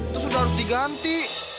terus udah harus diganti